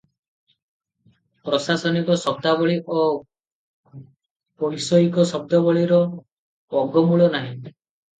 ପ୍ରାଶାସନିକ ଶବ୍ଦାବଳୀ ଓ ବୈଷୟିକ ଶବ୍ଦାବଳୀର ଅଗମୂଳ ନାହିଁ ।